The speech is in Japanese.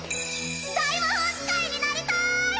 大魔法使いになりたい！